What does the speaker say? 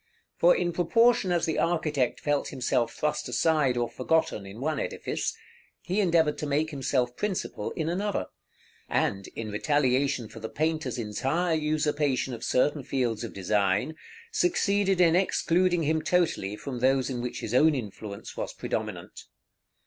For in proportion as the architect felt himself thrust aside or forgotten in one edifice, he endeavored to make himself principal in another; and, in retaliation for the painter's entire usurpation of certain fields of design, succeeded in excluding him totally from those in which his own influence was predominant.